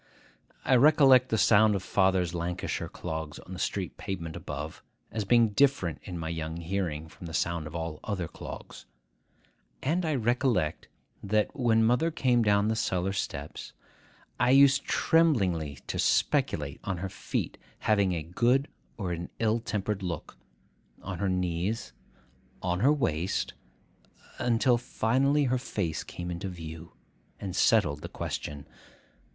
I recollect the sound of father's Lancashire clogs on the street pavement above, as being different in my young hearing from the sound of all other clogs; and I recollect, that, when mother came down the cellar steps, I used tremblingly to speculate on her feet having a good or an ill tempered look,—on her knees,—on her waist,—until finally her face came into view, and settled the question.